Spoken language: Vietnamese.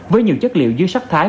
với nhiều chất liệu dưới sắc thái